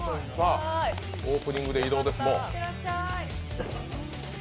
オープニングで移動です、もう。